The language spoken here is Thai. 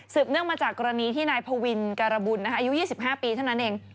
เนื่องมาจากกรณีที่นายพวินการบุญอายุ๒๕ปีเท่านั้นเอง